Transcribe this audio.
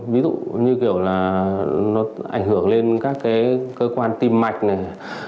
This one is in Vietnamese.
ví dụ như kiểu là nó ảnh hưởng lên các cái cơ quan tim mạch này